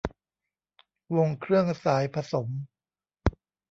วงเครื่องสายผสม